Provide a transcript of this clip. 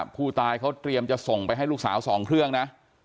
ผู้ตายเขาเตรียมจะส่งไปให้ลูกสาว๒เครื่องนะ